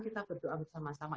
kita berdoa bersama sama